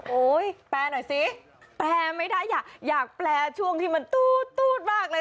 แปลหน่อยสิแปลไม่ได้อยากแปลช่วงที่มันตู๊ดมากเลย